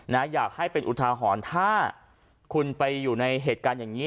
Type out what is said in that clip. อยากให้เป็นอุทาหรณ์ถ้าคุณไปอยู่ในเหตุการณ์อย่างนี้